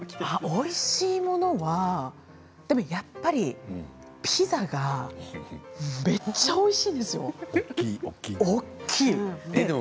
おいしいものは、やっぱりピザがめっちゃおいしいんですよ。大きいの？